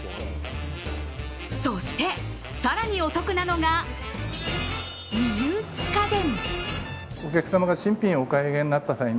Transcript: そして、更にお得なのがリユース家電。